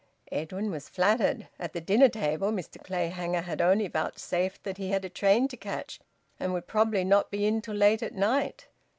Edwin was flattered. At the dinner table Mr Clayhanger had only vouchsafed that he had a train to catch, and would probably not be in till late at night.